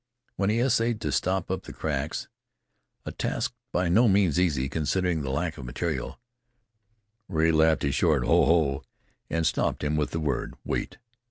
When he essayed to stop up the crack, a task by no means easy, considering the lack of material Rea laughed his short "Ho! Ho!" and stopped him with the word, "Wait."